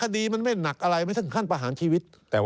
คดีมันไม่หนักอะไรไม่ถึงขั้นประหารชีวิต